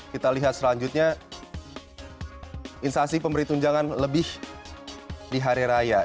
kita lihat selanjutnya instansi pemberi tunjangan lebih di hari raya